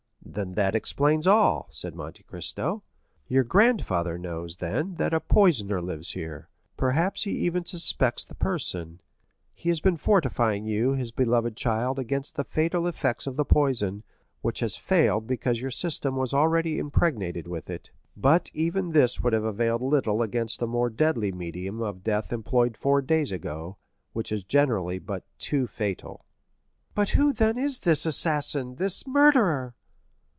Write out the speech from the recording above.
"Then that explains all," said Monte Cristo. "Your grandfather knows, then, that a poisoner lives here; perhaps he even suspects the person. He has been fortifying you, his beloved child, against the fatal effects of the poison, which has failed because your system was already impregnated with it. But even this would have availed little against a more deadly medium of death employed four days ago, which is generally but too fatal." "But who, then, is this assassin, this murderer?"